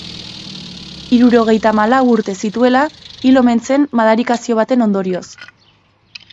Hirurogeita hamalau urte zituela hil omen zen madarikazio baten ondorioz.